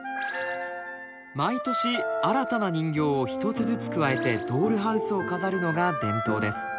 毎年新たな人形を１つずつ加えてドールハウスを飾るのが伝統です。